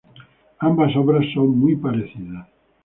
Ambas obras son muy parecidas.